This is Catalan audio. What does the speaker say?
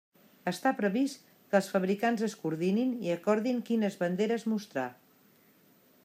Està previst que els fabricants es coordinin i acordin quines banderes mostrar.